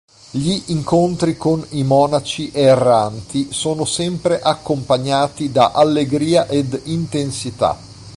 Gli incontri con i monaci erranti sono sempre accompagnati da allegria ed intensità.